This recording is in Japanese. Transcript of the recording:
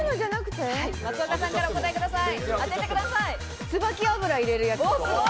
松岡さんから、お答えください。